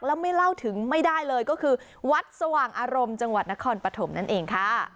แล้วไม่เล่าถึงไม่ได้เลยก็คือวัดสว่างอารมณ์จังหวัดนครปฐมนั่นเองค่ะ